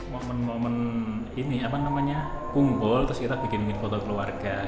momen momen ini apa namanya kumpul terus kita bikin bikin foto keluarga